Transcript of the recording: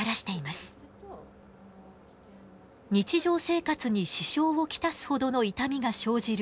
日常生活に支障を来すほどの痛みが生じる